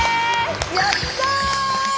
やった！